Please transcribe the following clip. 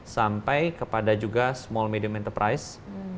sampai kepada juga small medium enterprise